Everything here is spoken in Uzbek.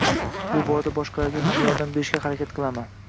Bu borada boshqalarga ham yordam berishga harakat qilaman.